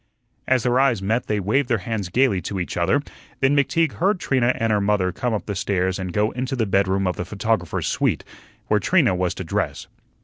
As their eyes met they waved their hands gayly to each other; then McTeague heard Trina and her mother come up the stairs and go into the bedroom of the photographer's suite, where Trina was to dress.